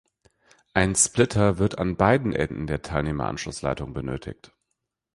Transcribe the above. Ein Splitter wird an beiden Enden der Teilnehmeranschlussleitung benötigt.